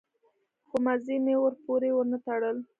خو مزي مې ورپورې ونه تړل.